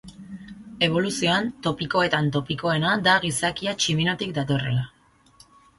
Eboluzioan, topikoetan topikoena da gizakia tximinotik datorrela.